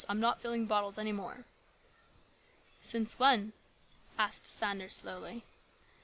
I'm not filling any bottles any more." " Since when ?" asked Sanders slowly.